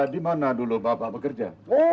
di mana dulu bapak bekerja